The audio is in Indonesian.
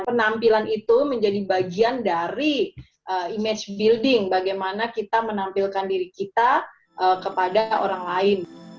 penampilan itu menjadi bagian dari image building bagaimana kita menampilkan diri kita kepada orang lain